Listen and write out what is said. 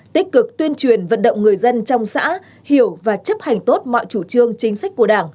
tích cực tuyên truyền vận động người dân trong xã hiểu và chấp hành tốt mọi chủ trương chính sách của đảng